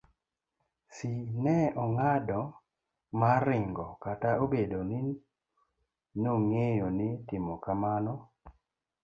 C. ne ong'ado mar ringo kata obedo ni nong'eyo ni timo kamano